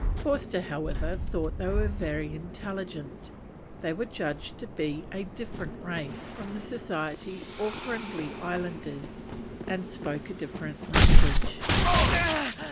Forster, however, thought they were very intelligent. They were judged to be a different race from the Society or Friendly Islanders, and spoke a different language.